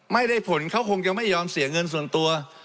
ไม่ได้ผลเขาคงจะไม่ยอมเสียเงินส่วนตัว